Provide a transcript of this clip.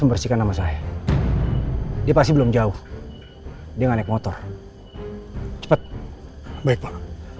membersihkan nama saya dia pasti belum jauh dia naik motor cepet baik pak